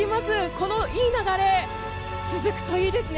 このいい流れが続くといいですね。